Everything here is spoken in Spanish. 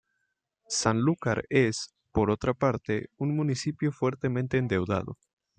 Sanlúcar es, por otra parte, un municipio fuertemente endeudado.